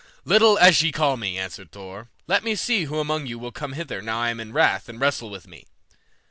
"Little as ye call me," answered Thor, "let me see who among you will come hither now I am in wrath and wrestle with me."